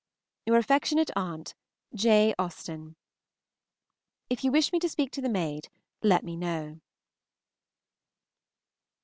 Your affectionate aunt, J. AUSTEN. If you wish me to speak to the maid, let me know.